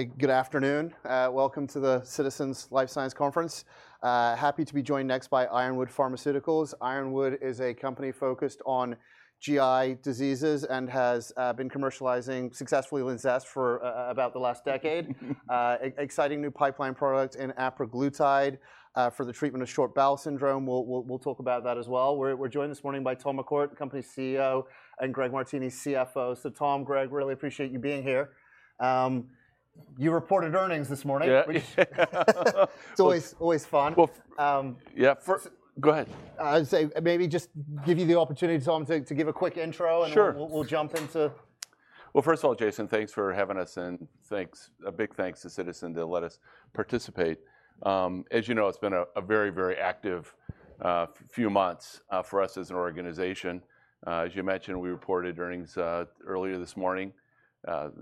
Good afternoon. Welcome to the Citizens Life Science Conference. Happy to be joined next by Ironwood Pharmaceuticals. Ironwood is a company focused on GI diseases and has been commercializing successfully LINZESS for about the last decade. Exciting new pipeline product in apraglutide for the treatment of short bowel syndrome. We will talk about that as well. We are joined this morning by Tom McCourt, company CEO, and Greg Martini, CFO. Tom, Greg, really appreciate you being here. You reported earnings this morning. Yeah. Always fun. Yeah, go ahead. I'd say maybe just give you the opportunity, Tom, to give a quick intro and then we'll jump into. First of all, Jason, thanks for having us and thanks, a big thanks to Citizens to let us participate. As you know, it's been a very, very active few months for us as an organization. As you mentioned, we reported earnings earlier this morning. LINZESS,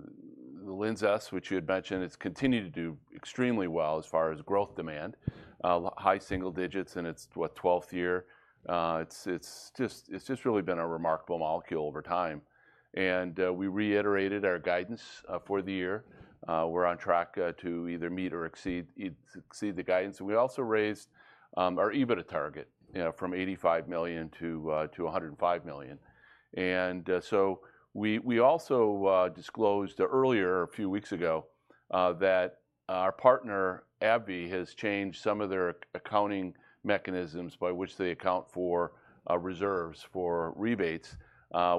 which you had mentioned, has continued to do extremely well as far as growth demand. High single digits in its 12th year. It's just really been a remarkable molecule over time. We reiterated our guidance for the year. We're on track to either meet or exceed the guidance. We also raised our EBITDA target from $85 million to $105 million. We also disclosed earlier, a few weeks ago, that our partner, AbbVie, has changed some of their accounting mechanisms by which they account for reserves for rebates,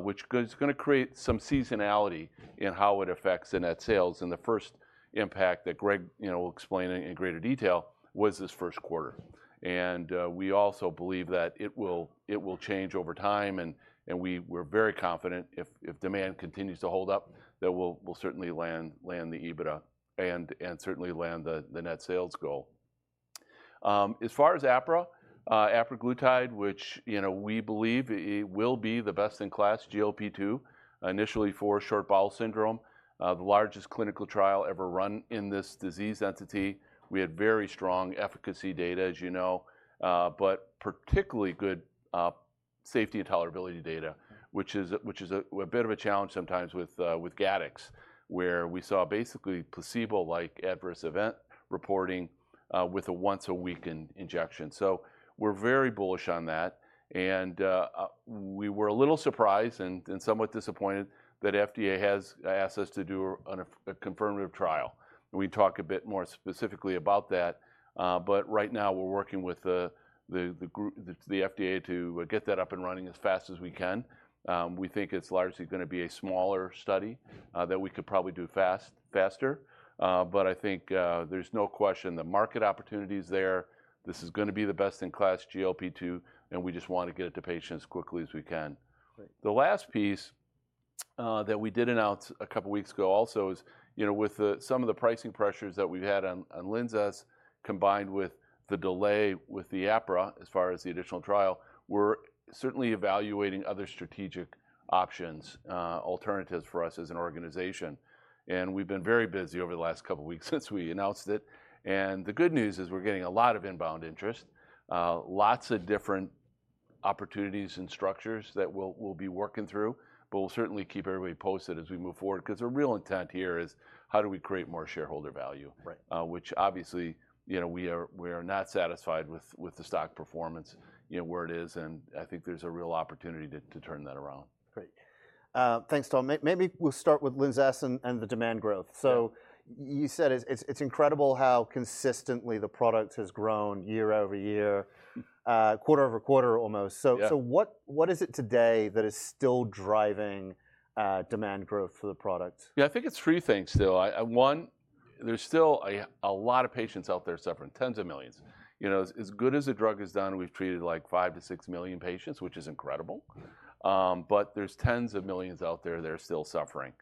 which is going to create some seasonality in how it affects the net sales. The first impact that Greg will explain in greater detail was this first quarter. We also believe that it will change over time. We are very confident if demand continues to hold up, that we will certainly land the EBITDA and certainly land the net sales goal. As far as apraglutide, which we believe will be the best in class, GLP-2, initially for short bowel syndrome, the largest clinical trial ever run in this disease entity. We had very strong efficacy data, as you know, but particularly good safety and tolerability data, which is a bit of a challenge sometimes with Gattex, where we saw basically placebo-like adverse event reporting with a once-a-week injection. We are very bullish on that. We were a little surprised and somewhat disappointed that the FDA has asked us to do a confirmative trial. We talk a bit more specifically about that. Right now, we're working with the FDA to get that up and running as fast as we can. We think it's largely going to be a smaller study that we could probably do faster. I think there's no question the market opportunity is there. This is going to be the best in class GLP-2, and we just want to get it to patients as quickly as we can. The last piece that we did announce a couple of weeks ago also is with some of the pricing pressures that we've had on LINZESS combined with the delay with the apraglutide as far as the additional trial, we're certainly evaluating other strategic options, alternatives for us as an organization. We've been very busy over the last couple of weeks since we announced it. The good news is we're getting a lot of inbound interest, lots of different opportunities and structures that we'll be working through, but we'll certainly keep everybody posted as we move forward because the real intent here is how do we create more shareholder value, which obviously we are not satisfied with the stock performance where it is. I think there's a real opportunity to turn that around. Great. Thanks, Tom. Maybe we'll start with LINZESS and the demand growth. You said it's incredible how consistently the product has grown year over year, quarter over quarter almost. What is it today that is still driving demand growth for the product? Yeah, I think it's three things still. One, there's still a lot of patients out there suffering, tens of millions. As good as the drug has done, we've treated like five to six million patients, which is incredible. But there's tens of millions out there that are still suffering.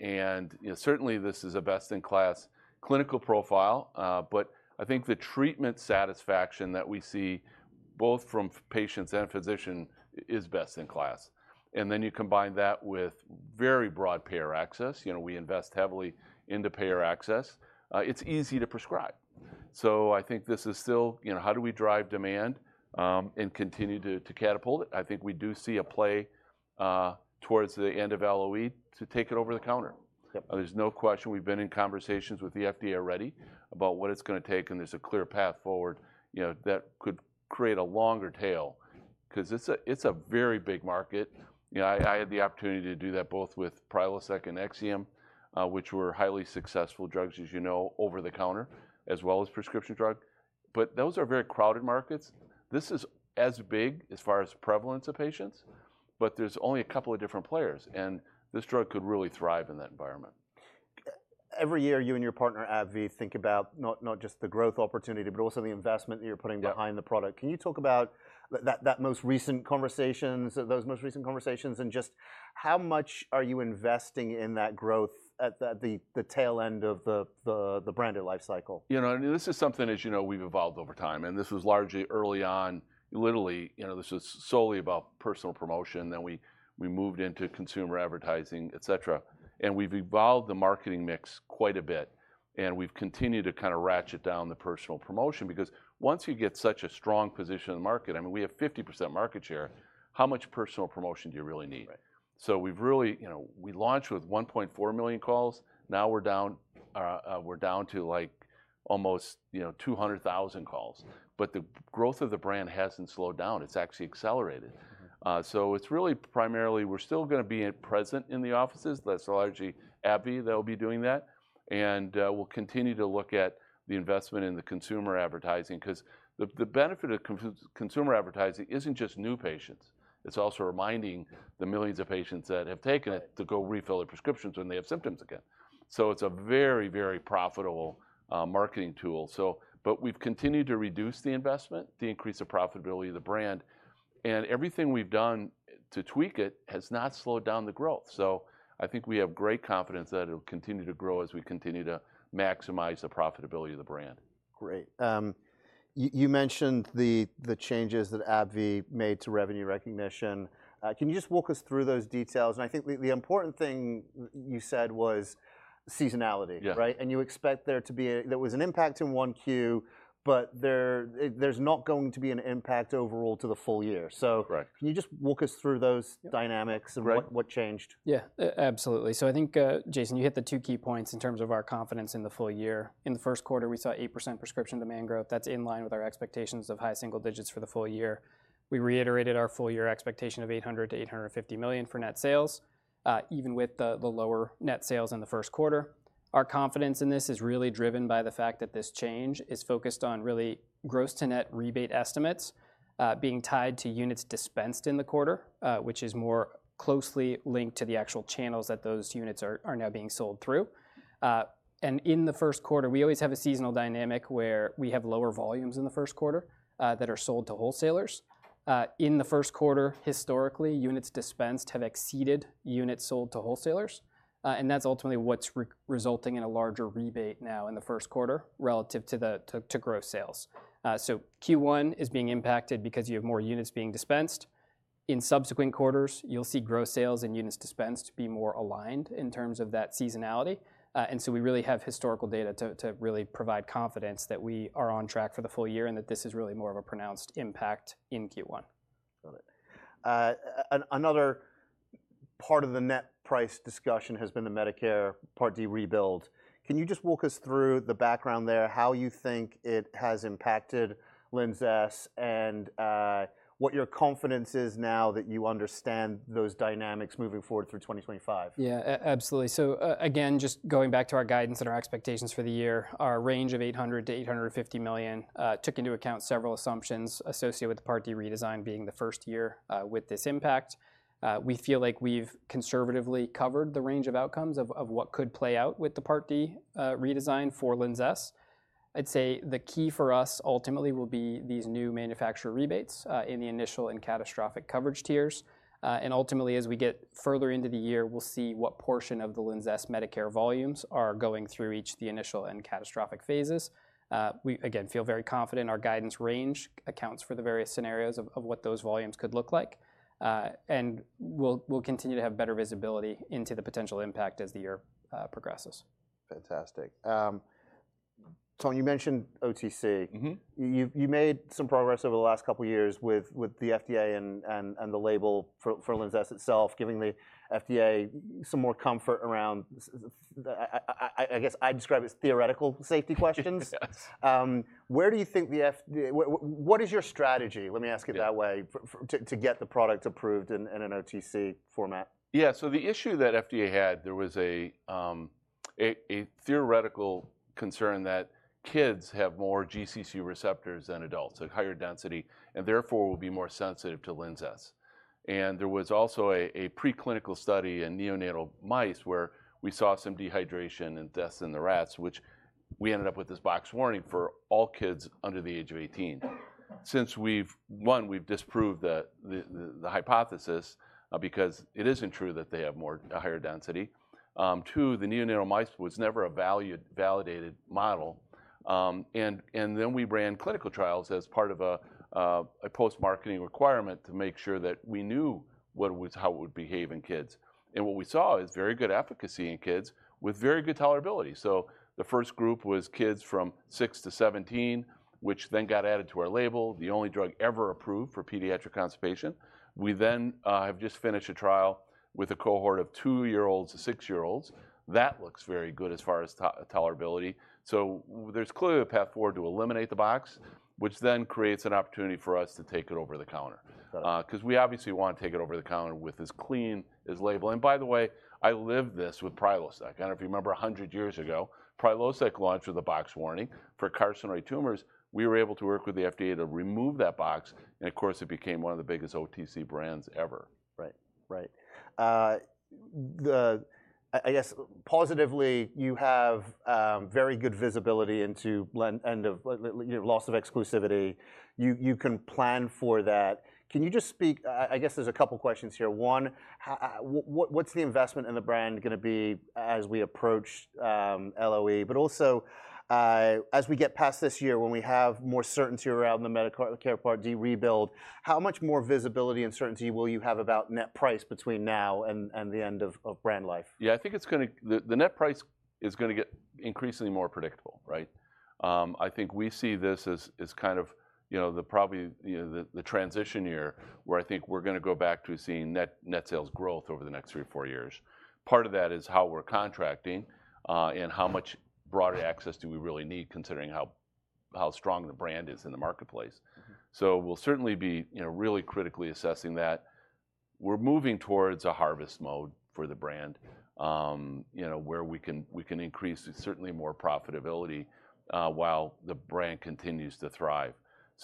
This is a best in class clinical profile. I think the treatment satisfaction that we see both from patients and physicians is best in class. You combine that with very broad payer access. We invest heavily into payer access. It's easy to prescribe. I think this is still how do we drive demand and continue to catapult it? I think we do see a play towards the end of LOE to take it over the counter. There's no question we've been in conversations with the FDA already about what it's going to take. There's a clear path forward that could create a longer tail because it's a very big market. I had the opportunity to do that both with Prilosec and Nexium, which were highly successful drugs, as you know, over the counter, as well as prescription drug. Those are very crowded markets. This is as big as far as prevalence of patients, but there's only a couple of different players. This drug could really thrive in that environment. Every year, you and your partner, AbbVie, think about not just the growth opportunity, but also the investment that you're putting behind the product. Can you talk about those most recent conversations and just how much are you investing in that growth at the tail end of the branded life cycle? This is something, as you know, we've evolved over time. This was largely early on, literally, this was solely about personal promotion. Then we moved into consumer advertising, et cetera. We've evolved the marketing mix quite a bit. We've continued to kind of ratchet down the personal promotion because once you get such a strong position in the market, I mean, we have 50% market share. How much personal promotion do you really need? We launched with 1.4 million calls. Now we're down to like almost 200,000 calls. The growth of the brand hasn't slowed down. It's actually accelerated. It's really primarily we're still going to be present in the offices. That's largely AbbVie that will be doing that. We'll continue to look at the investment in the consumer advertising because the benefit of consumer advertising isn't just new patients. It's also reminding the millions of patients that have taken it to go refill their prescriptions when they have symptoms again. It is a very, very profitable marketing tool. We have continued to reduce the investment, the increase of profitability of the brand. Everything we have done to tweak it has not slowed down the growth. I think we have great confidence that it will continue to grow as we continue to maximize the profitability of the brand. Great. You mentioned the changes that AbbVie made to revenue recognition. Can you just walk us through those details? I think the important thing you said was seasonality, right? You expect there to be there was an impact in Q1, but there's not going to be an impact overall to the full year. Can you just walk us through those dynamics and what changed? Yeah, absolutely. I think, Jason, you hit the two key points in terms of our confidence in the full year. In the first quarter, we saw 8% prescription demand growth. That's in line with our expectations of high single digits for the full year. We reiterated our full year expectation of $800 million-$850 million for net sales, even with the lower net sales in the first quarter. Our confidence in this is really driven by the fact that this change is focused on really gross to net rebate estimates being tied to units dispensed in the quarter, which is more closely linked to the actual channels that those units are now being sold through. In the first quarter, we always have a seasonal dynamic where we have lower volumes in the first quarter that are sold to wholesalers. In the first quarter, historically, units dispensed have exceeded units sold to wholesalers. That's ultimately what's resulting in a larger rebate now in the first quarter relative to gross sales. Q1 is being impacted because you have more units being dispensed. In subsequent quarters, you'll see gross sales and units dispensed be more aligned in terms of that seasonality. We really have historical data to really provide confidence that we are on track for the full year and that this is really more of a pronounced impact in Q1. Got it. Another part of the net price discussion has been the Medicare Part D rebuild. Can you just walk us through the background there, how you think it has impacted LINZESS and what your confidence is now that you understand those dynamics moving forward through 2025? Yeah, absolutely. Again, just going back to our guidance and our expectations for the year, our range of $800 million-$850 million took into account several assumptions associated with the Part D redesign being the first year with this impact. We feel like we've conservatively covered the range of outcomes of what could play out with the Part D redesign for LINZESS. I'd say the key for us ultimately will be these new manufacturer rebates in the initial and catastrophic coverage tiers. Ultimately, as we get further into the year, we'll see what portion of the LINZESS Medicare volumes are going through each of the initial and catastrophic phases. We, again, feel very confident our guidance range accounts for the various scenarios of what those volumes could look like. We'll continue to have better visibility into the potential impact as the year progresses. Fantastic. Tom, you mentioned OTC. You made some progress over the last couple of years with the FDA and the label for LINZESS itself, giving the FDA some more comfort around, I guess I'd describe as theoretical safety questions. Where do you think the, what is your strategy, let me ask it that way, to get the product approved in an OTC format? Yeah, so the issue that FDA had, there was a theoretical concern that kids have more GCC receptors than adults, so higher density, and therefore will be more sensitive to LINZESS. There was also a preclinical study in neonatal mice where we saw some dehydration in the rats which we ended up with this box warning for all kids under the age of 18. Since we've, one, we've disproved the hypothesis because it isn't true that they have a higher density. Two, the neonatal mice was never a validated model. Then we ran clinical trials as part of a post-marketing requirement to make sure that we knew how it would behave in kids. What we saw is very good efficacy in kids with very good tolerability. The first group was kids from 6 to 17, which then got added to our label, the only drug ever approved for pediatric constipation. We then have just finished a trial with a cohort of 2-year-olds to 6-year-olds. That looks very good as far as tolerability. There is clearly a path forward to eliminate the box, which then creates an opportunity for us to take it over the counter because we obviously want to take it over the counter with as clean a label. By the way, I lived this with Prilosec. I do not know if you remember 100 years ago, Prilosec launched with a box warning. For carcinoid tumors, we were able to work with the FDA to remove that box. Of course, it became one of the biggest OTC brands ever. Right, right. I guess positively, you have very good visibility into loss of exclusivity. You can plan for that. Can you just speak, I guess there's a couple of questions here. One, what's the investment in the brand going to be as we approach LOE, but also as we get past this year when we have more certainty around the Medicare Part D rebuild, how much more visibility and certainty will you have about net price between now and the end of brand life? Yeah, I think it's going to, the net price is going to get increasingly more predictable, right? I think we see this as kind of the, probably the transition year where I think we're going to go back to seeing net sales growth over the next three or four years. Part of that is how we're contracting and how much broader access do we really need considering how strong the brand is in the marketplace. We'll certainly be really critically assessing that. We're moving towards a harvest mode for the brand where we can increase certainly more profitability while the brand continues to thrive.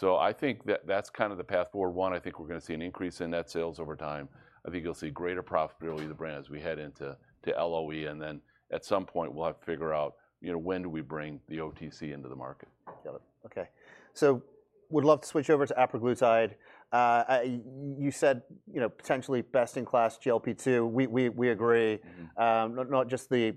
I think that's kind of the path forward. One, I think we're going to see an increase in net sales over time. I think you'll see greater profitability of the brand as we head into LOE. At some point, we'll have to figure out when do we bring the OTC into the market. Got it. Okay. Would love to switch over to apraglutide. You said potentially best in class GLP-2. We agree, not just the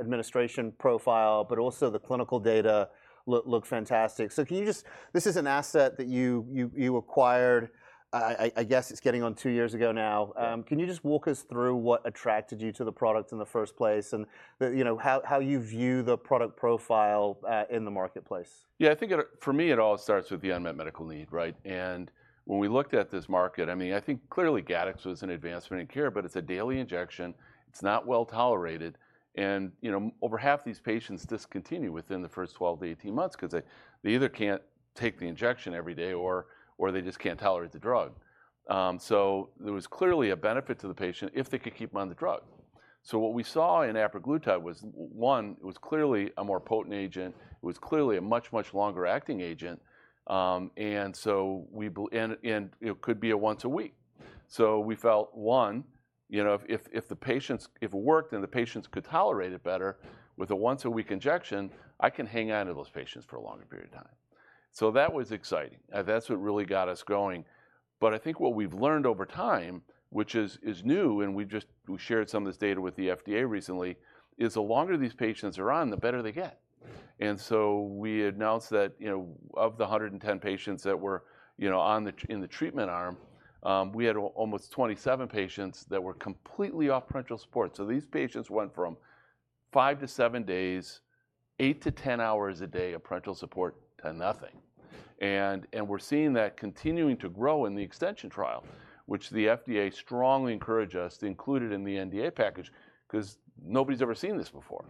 administration profile, but also the clinical data look fantastic. Can you just, this is an asset that you acquired, I guess it's getting on two years ago now. Can you just walk us through what attracted you to the product in the first place and how you view the product profile in the marketplace? Yeah, I think for me, it all starts with the unmet medical need, right? And when we looked at this market, I mean, I think clearly Gattex was an advancement in care, but it's a daily injection. It's not well tolerated. Over half these patients discontinue within the first 12 to 18 months because they either can't take the injection every day or they just can't tolerate the drug. There was clearly a benefit to the patient if they could keep on the drug. What we saw in apraglutide was, one, it was clearly a more potent agent. It was clearly a much, much longer acting agent. It could be a once a week. We felt, one, if the patients, if it worked and the patients could tolerate it better with a once a week injection, I can hang on to those patients for a longer period of time. That was exciting. That is what really got us going. I think what we have learned over time, which is new, and we just shared some of this data with the FDA recently, is the longer these patients are on, the better they get. We announced that of the 110 patients that were in the treatment arm, we had almost 27 patients that were completely off parenteral support. These patients went from five to seven days, eight to 10 hours a day of parenteral support to nothing. We're seeing that continuing to grow in the extension trial, which the FDA strongly encouraged us to include in the NDA package because nobody's ever seen this before.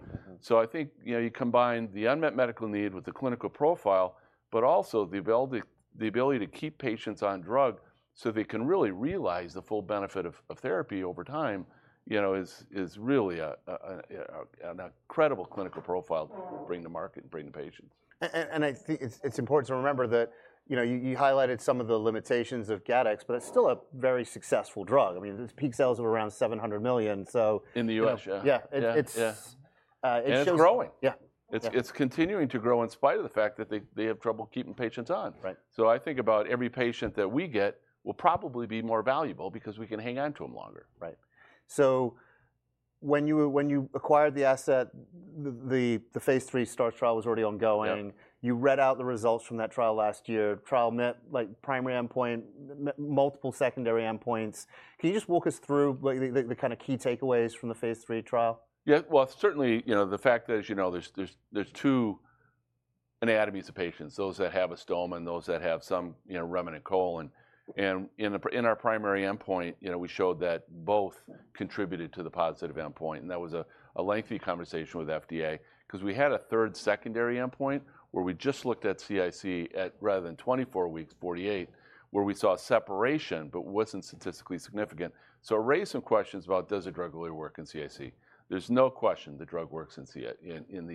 I think you combine the unmet medical need with the clinical profile, but also the ability to keep patients on drug so they can really realize the full benefit of therapy over time is really an incredible clinical profile to bring to market and bring to patients. I think it's important to remember that you highlighted some of the limitations of Gattex, but it's still a very successful drug. I mean, its peak sales are around $700 million. In the U.S., yeah. Yeah. It's growing. Yeah. It's continuing to grow in spite of the fact that they have trouble keeping patients on. I think about every patient that we get will probably be more valuable because we can hang on to them longer. Right. So when you acquired the asset, the phase III start trial was already ongoing. You read out the results from that trial last year. Trial met primary endpoint, multiple secondary endpoints. Can you just walk us through the kind of key takeaways from the phase III trial? Yeah, certainly the fact that there's two anatomies of patients, those that have a stoma and those that have some remnant colon. In our primary endpoint, we showed that both contributed to the positive endpoint. That was a lengthy conversation with the FDA because we had a third secondary endpoint where we just looked at CIC rather than 24 weeks, 48, where we saw separation, but it wasn't statistically significant. It raised some questions about does a drug really work in CIC. There's no question the drug works in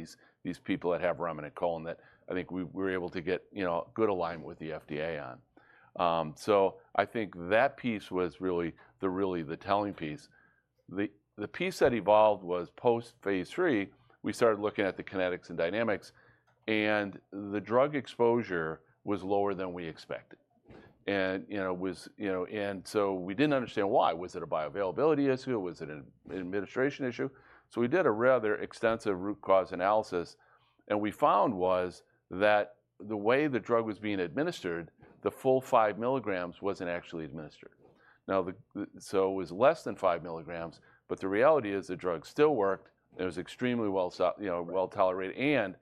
these people that have remnant colon that I think we were able to get good alignment with the FDA on. I think that piece was really the telling piece. The piece that evolved was post phase III, we started looking at the kinetics and dynamics, and the drug exposure was lower than we expected. We did not understand why. Was it a bioavailability issue? Was it an administration issue? We did a rather extensive root cause analysis. What we found was that the way the drug was being administered, the full 5 milligrams was not actually administered. It was less than 5 milligrams, but the reality is the drug still worked. It was extremely well tolerated, and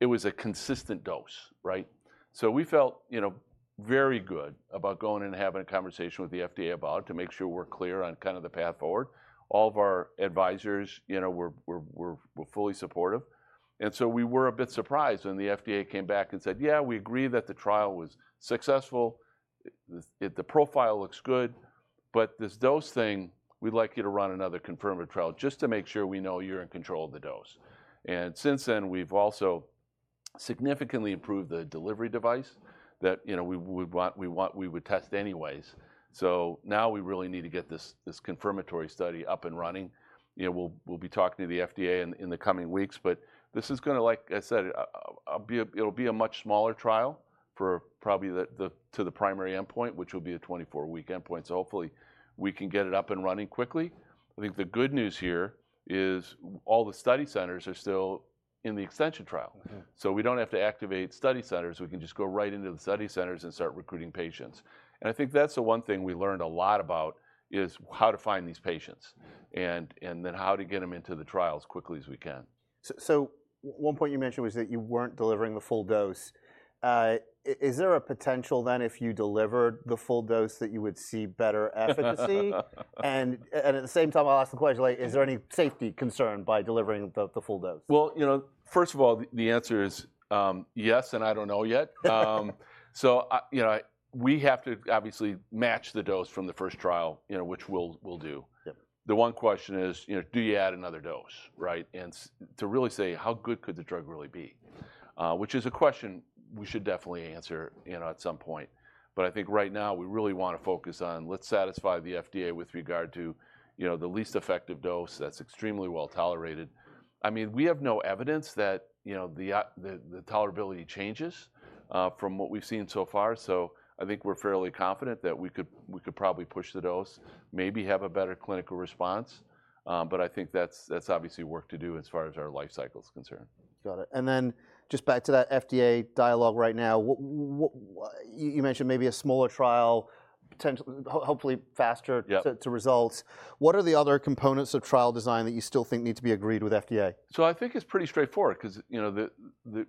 it was a consistent dose, right? We felt very good about going and having a conversation with the FDA about it to make sure we are clear on the path forward. All of our advisors were fully supportive. We were a bit surprised when the FDA came back and said, "Yeah, we agree that the trial was successful. The profile looks good, but this dose thing, we'd like you to run another confirmatory trial just to make sure we know you're in control of the dose. Since then, we've also significantly improved the delivery device that we would test anyways. Now we really need to get this confirmatory study up and running. We'll be talking to the FDA in the coming weeks, but this is going to, like I said, it'll be a much smaller trial for probably to the primary endpoint, which will be a 24-week endpoint. Hopefully, we can get it up and running quickly. I think the good news here is all the study centers are still in the extension trial. We don't have to activate study centers. We can just go right into the study centers and start recruiting patients. I think that's the one thing we learned a lot about is how to find these patients and then how to get them into the trial as quickly as we can. One point you mentioned was that you weren't delivering the full dose. Is there a potential then if you delivered the full dose that you would see better efficacy? At the same time, I'll ask the question, is there any safety concern by delivering the full dose? First of all, the answer is yes, and I don't know yet. We have to obviously match the dose from the first trial, which we'll do. The one question is, do you add another dose, right? To really say, how good could the drug really be, which is a question we should definitely answer at some point. I think right now, we really want to focus on, let's satisfy the FDA with regard to the least effective dose that's extremely well tolerated. I mean, we have no evidence that the tolerability changes from what we've seen so far. I think we're fairly confident that we could probably push the dose, maybe have a better clinical response. I think that's obviously work to do as far as our life cycle is concerned. Got it. Just back to that FDA dialogue right now, you mentioned maybe a smaller trial, hopefully faster to results. What are the other components of trial design that you still think need to be agreed with FDA? I think it's pretty straightforward because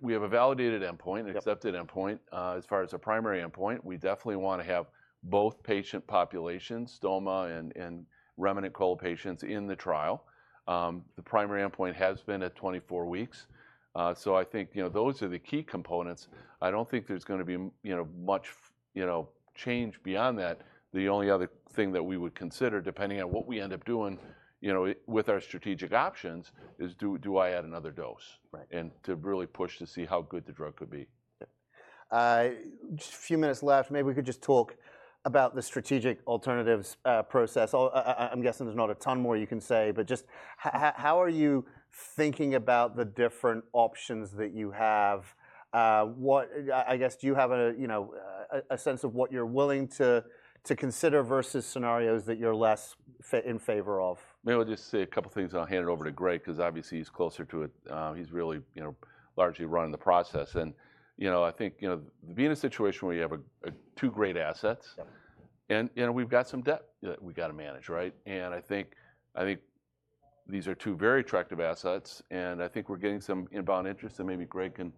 we have a validated endpoint, accepted endpoint as far as a primary endpoint. We definitely want to have both patient populations, stoma and remnant colon patients in the trial. The primary endpoint has been at 24 weeks. I think those are the key components. I don't think there's going to be much change beyond that. The only other thing that we would consider, depending on what we end up doing with our strategic options, is do I add another dose and to really push to see how good the drug could be. Just a few minutes left. Maybe we could just talk about the strategic alternatives process. I'm guessing there's not a ton more you can say, but just how are you thinking about the different options that you have? I guess, do you have a sense of what you're willing to consider versus scenarios that you're less in favor of? Maybe I'll just say a couple of things and I'll hand it over to Greg because obviously he's closer to it. He's really largely running the process. I think being in a situation where you have two great assets and we've got some debt that we got to manage, right? I think these are two very attractive assets. I think we're getting some inbound interest. Maybe Greg can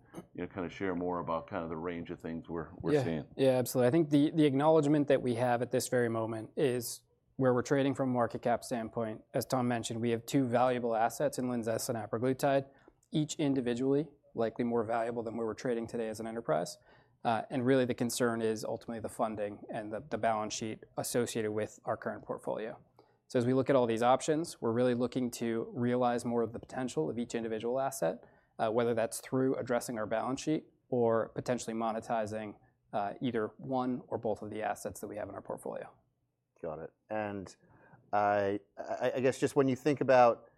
kind of share more about kind of the range of things we're seeing. Yeah, absolutely. I think the acknowledgment that we have at this very moment is where we're trading from a market cap standpoint. As Tom mentioned, we have two valuable assets in LINZESS and apraglutide, each individually likely more valuable than where we're trading today as an enterprise. Really the concern is ultimately the funding and the balance sheet associated with our current portfolio. As we look at all these options, we're really looking to realize more of the potential of each individual asset, whether that's through addressing our balance sheet or potentially monetizing either one or both of the assets that we have in our portfolio. Got it. I guess just when you think about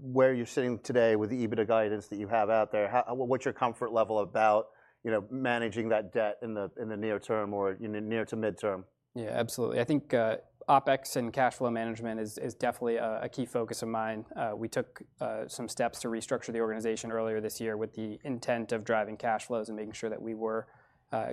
where you're sitting today with the EBITDA guidance that you have out there, what's your comfort level about managing that debt in the near term or near to midterm? Yeah, absolutely. I think OpEx and cash flow management is definitely a key focus of mine. We took some steps to restructure the organization earlier this year with the intent of driving cash flows and making sure that we were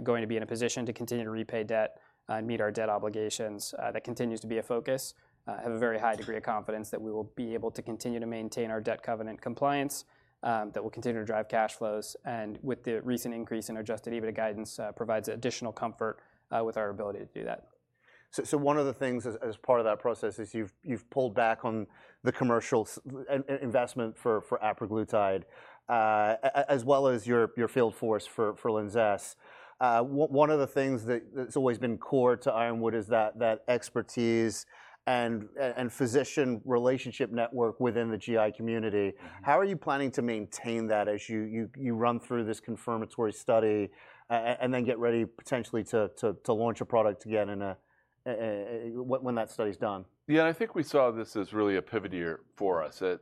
going to be in a position to continue to repay debt and meet our debt obligations. That continues to be a focus. I have a very high degree of confidence that we will be able to continue to maintain our debt covenant compliance, that we'll continue to drive cash flows. With the recent increase in adjusted EBITDA guidance, it provides additional comfort with our ability to do that. One of the things as part of that process is you've pulled back on the commercial investment for apraglutide as well as your field force for LINZESS. One of the things that's always been core to Ironwood is that expertise and physician relationship network within the GI community. How are you planning to maintain that as you run through this confirmatory study and then get ready potentially to launch a product again when that study is done? Yeah, I think we saw this as really a pivot year for us. As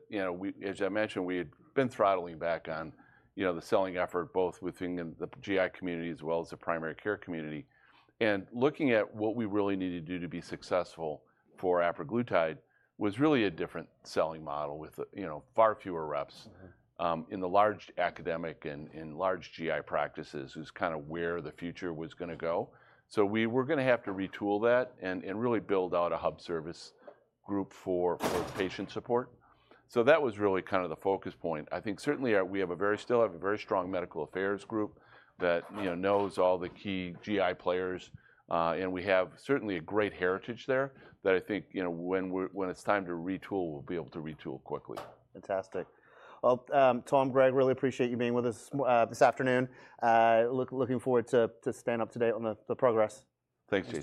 I mentioned, we had been throttling back on the selling effort both within the GI community as well as the primary care community. Looking at what we really needed to do to be successful for apraglutide was really a different selling model with far fewer reps in the large academic and large GI practices. It was kind of where the future was going to go. We were going to have to retool that and really build out a hub service group for patient support. That was really kind of the focus point. I think certainly we still have a very strong medical affairs group that knows all the key GI players. We have certainly a great heritage there that I think when it's time to retool, we'll be able to retool quickly. Fantastic. Tom, Greg, really appreciate you being with us this afternoon. Looking forward to staying up to date on the progress. Thanks.